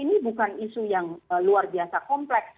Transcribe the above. ini bukan isu yang luar biasa kompleks